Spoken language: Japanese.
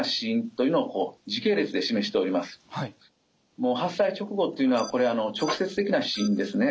もう発災直後というのはこれ直接的な死因ですね。